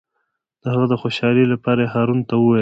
د هغه د خوشحالۍ لپاره یې هارون ته وویل.